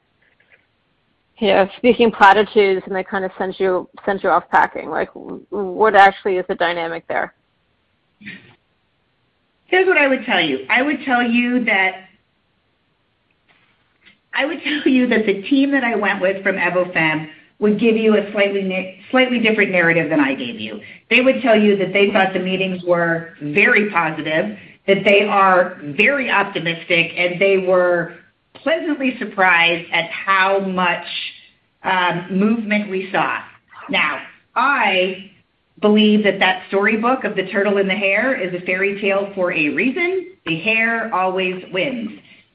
you know, speaking platitudes, and they kinda sends you off packing? Like, what actually is the dynamic there? Here's what I would tell you. I would tell you that the team that I went with from Evofem would give you a slightly different narrative than I gave you. They would tell you that they thought the meetings were very positive, that they are very optimistic, and they were pleasantly surprised at how much movement we saw. Now, I believe that that storybook of the turtle and the hare is a fairy tale for a reason. The hare always wins.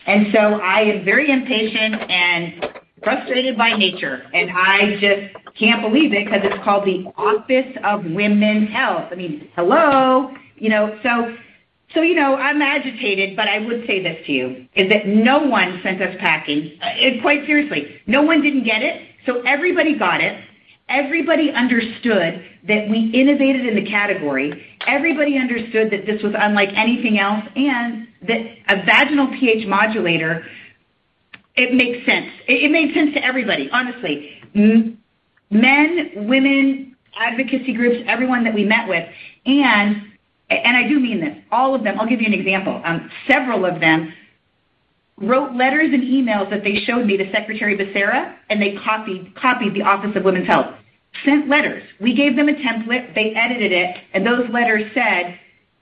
I am very impatient and frustrated by nature, and I just can't believe it 'cause it's called the Office on Women's Health. I mean, hello? You know, I'm agitated, but I would say this to you, is that no one sent us packing. Quite seriously, no one didn't get it, so everybody got it. Everybody understood that we innovated in the category. Everybody understood that this was unlike anything else and that a vaginal pH modulator, it makes sense. It made sense to everybody, honestly. Men, women, advocacy groups, everyone that we met with and I do mean this, all of them. I'll give you an example. Several of them wrote letters and emails that they showed me to Secretary Becerra, and they copied the Office of Women's Health. Sent letters. We gave them a template. They edited it, and those letters said,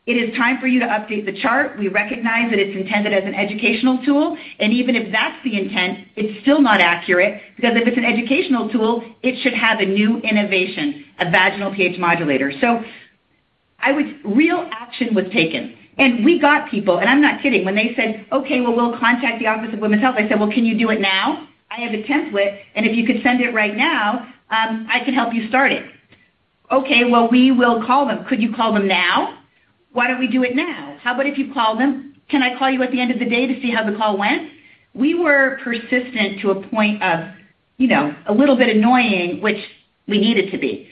"It is time for you to update the chart. We recognize that it's intended as an educational tool, and even if that's the intent, it's still not accurate because if it's an educational tool, it should have a new innovation, a vaginal pH modulator." Real action was taken. We got people, and I'm not kidding, when they said, "Okay, well, we'll contact the Office on Women's Health." I said, "Well, can you do it now? I have a template, and if you could send it right now, I could help you start it." "Okay, well, we will call them." "Could you call them now? Why don't we do it now? How about if you call them? Can I call you at the end of the day to see how the call went?" We were persistent to a point of, you know, a little bit annoying, which we needed to be.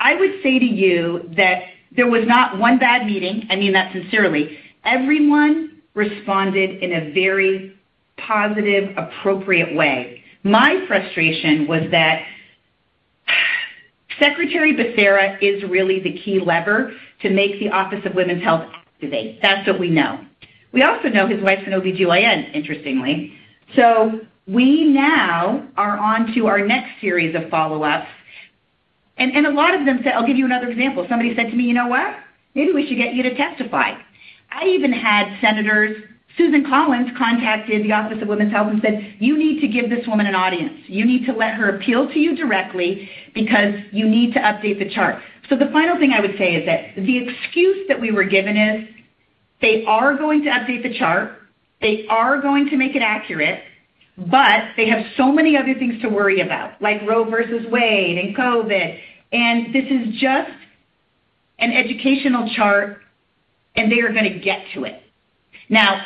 I would say to you that there was not one bad meeting. I mean that sincerely. Everyone responded in a very positive, appropriate way. My frustration was that Secretary Becerra is really the key lever to make the Office on Women's Health activate. That's what we know. We also know his wife's an OBGYN, interestingly. We now are on to our next series of follow-ups, and a lot of them said. I'll give you another example. Somebody said to me, "You know what? Maybe we should get you to testify." I even had Senator Susan Collins contact the Office on Women's Health and said, "You need to give this woman an audience. You need to let her appeal to you directly because you need to update the chart." The final thing I would say is that the excuse that we were given is they are going to update the chart, they are going to make it accurate, but they have so many other things to worry about, like Roe v. Wade and COVID, and this is just an educational chart, and they are gonna get to it. Now,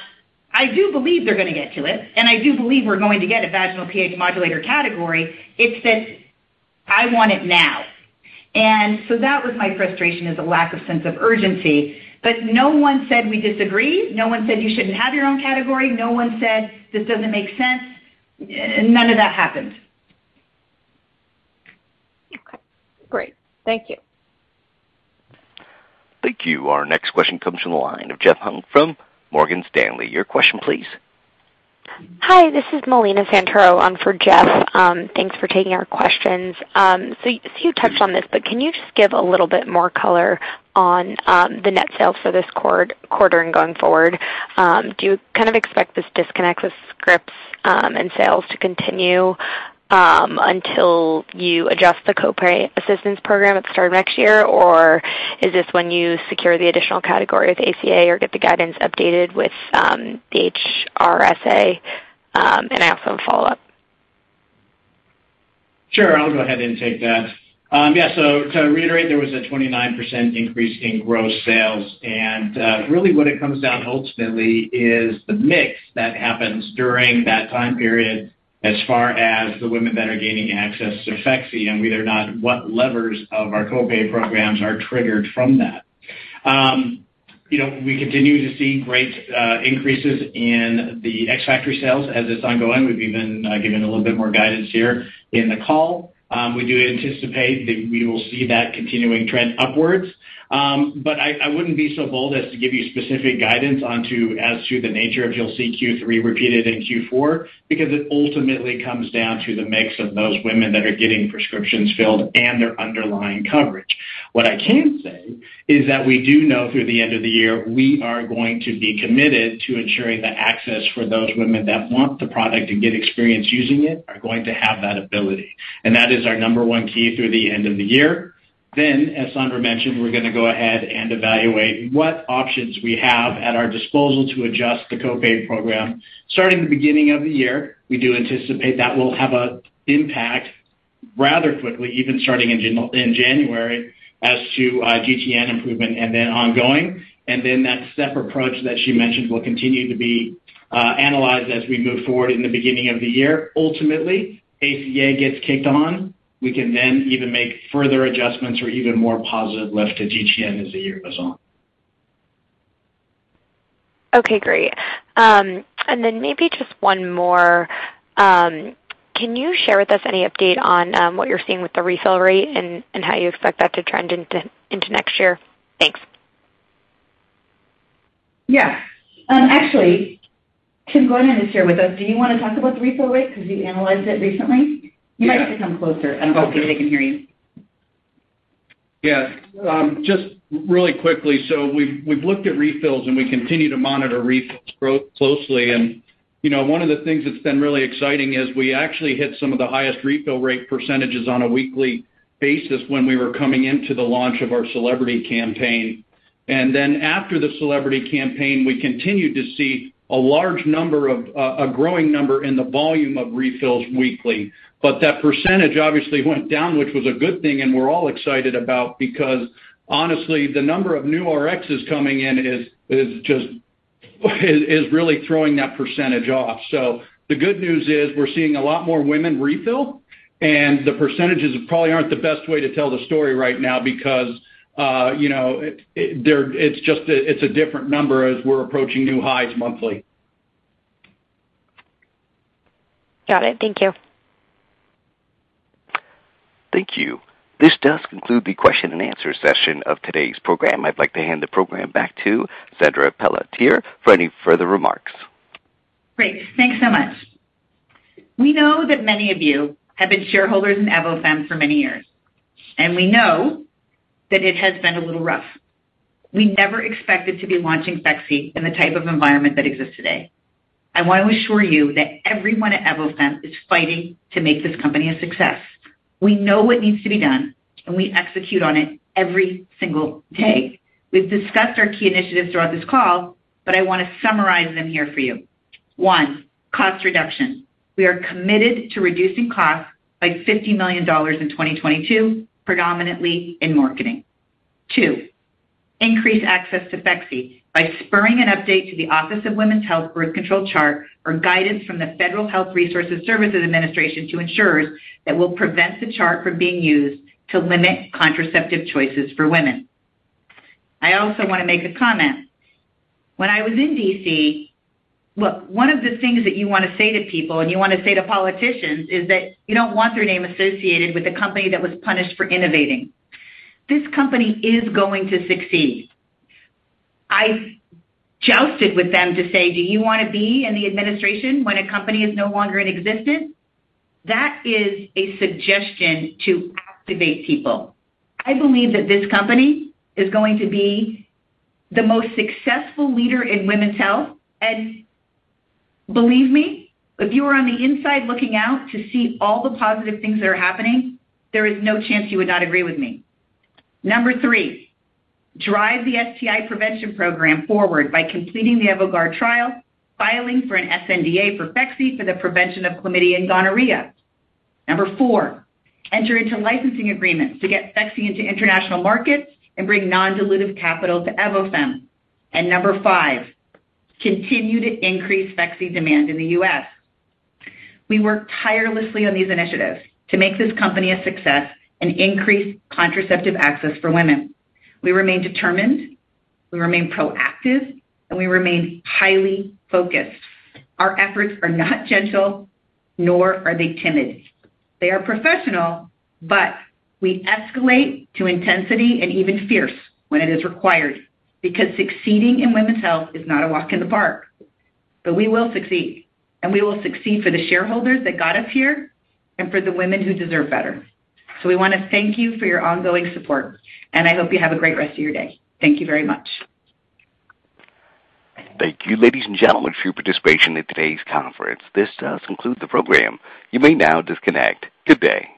I do believe they're gonna get to it, and I do believe we're going to get a vaginal pH modulator category. It's that I want it now. That was my frustration, is the lack of sense of urgency. No one said we disagree. No one said you shouldn't have your own category. No one said this doesn't make sense. None of that happened. Okay, great. Thank you. Thank you. Our next question comes from the line of Jeffrey Hung from Morgan Stanley. Your question, please. Hi, this is Melina Santoro on for Jeff. Thanks for taking our questions. You touched on this, but can you just give a little bit more color on the net sales for this quarter and going forward? Do you kind of expect this disconnect with scripts and sales to continue until you adjust the co-pay assistance program at the start of next year? Or is this when you secure the additional category with ACA or get the guidance updated with the HRSA? I also have a follow-up. Sure. I'll go ahead and take that. To reiterate, there was a 29% increase in gross sales. Really what it comes down ultimately is the mix that happens during that time period as far as the women that are gaining access to Phexxi and whether or not what levers of our co-pay programs are triggered from that. We continue to see great increases in the ex-factory sales as it's ongoing. We've even given a little bit more guidance here in the call. We do anticipate that we will see that continuing trend upwards. I wouldn't be so bold as to give you specific guidance as to whether you'll see Q3 repeated in Q4 because it ultimately comes down to the mix of those women that are getting prescriptions filled and their underlying coverage. What I can say is that we do know through the end of the year, we are going to be committed to ensuring that access for those women that want the product and get experience using it are going to have that ability. That is our number one key through the end of the year. As Saundra mentioned, we're gonna go ahead and evaluate what options we have at our disposal to adjust the copay program. Starting at the beginning of the year, we do anticipate that will have an impact rather quickly, even starting in January as to GTN improvement and then ongoing, and then that step approach that she mentioned will continue to be analyzed as we move forward in the beginning of the year. Ultimately, ACA gets kicked in. We can then even make further adjustments or even more positive lift to GTN as the year goes on. Okay, great. Maybe just one more. Can you share with us any update on what you're seeing with the refill rate and how you expect that to trend into next year? Thanks. Yes. Actually, Tim Gordon is here with us. Do you wanna talk about the refill rate 'cause you analyzed it recently? Yeah. You might have to come closer. I'm not sure they can hear you. Yeah. Just really quickly. We've looked at refills, and we continue to monitor refills closely. You know, one of the things that's been really exciting is we actually hit some of the highest refill rate percentages on a weekly basis when we were coming into the launch of our celebrity campaign. Then after the celebrity campaign, we continued to see a large number of a growing number in the volume of refills weekly. That percentage obviously went down, which was a good thing, and we're all excited about because honestly, the number of new RXs coming in is really throwing that percentage off. The good news is we're seeing a lot more women refill, and the percentages probably aren't the best way to tell the story right now because you know, it's just a. It's a different number as we're approaching new highs monthly. Got it. Thank you. Thank you. This does conclude the question and answer session of today's program. I'd like to hand the program back to Saundra Pelletier for any further remarks. Great. Thanks so much. We know that many of you have been shareholders in Evofem for many years, and we know that it has been a little rough. We never expected to be launching Phexxi in the type of environment that exists today. I want to assure you that everyone at Evofem is fighting to make this company a success. We know what needs to be done, and we execute on it every single day. We've discussed our key initiatives throughout this call, but I wanna summarize them here for you. One, cost reduction. We are committed to reducing costs by $50 million in 2022, predominantly in marketing. two, increase access to Phexxi by spurring an update to the Office on Women's Health birth control chart or guidance from the Health Resources and Services Administration to insurers that will prevent the chart from being used to limit contraceptive choices for women. I also wanna make a comment. When I was in D.C., look, one of the things that you wanna say to people and you wanna say to politicians is that you don't want their name associated with a company that was punished for innovating. This company is going to succeed. I've jousted with them to say, "Do you wanna be in the administration when a company is no longer in existence?" That is a suggestion to activate people. I believe that this company is going to be the most successful leader in women's health. Believe me, if you are on the inside looking out to see all the positive things that are happening, there is no chance you would not agree with me. Number three, drive the STI prevention program forward by completing the EVOGUARD trial, filing for an sNDA for Phexxi for the prevention of chlamydia and gonorrhea. Number four, enter into licensing agreements to get Phexxi into international markets and bring non-dilutive capital to Evofem. Number five, continue to increase Phexxi demand in the U.S. We work tirelessly on these initiatives to make this company a success and increase contraceptive access for women. We remain determined, we remain proactive, and we remain highly focused. Our efforts are not gentle, nor are they timid. They are professional, but we escalate to intensity and even fierce when it is required because succeeding in women's health is not a walk in the park. We will succeed, and we will succeed for the shareholders that got us here and for the women who deserve better. We wanna thank you for your ongoing support, and I hope you have a great rest of your day. Thank you very much. Thank you, ladies and gentlemen, for your participation in today's conference. This does conclude the program. You may now disconnect. Good day.